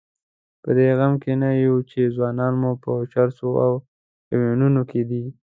په دې غم کې نه یو چې ځوانان مو په چرسو او هیرویینو کې.